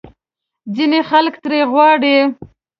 ځینې خلک ترې غواړي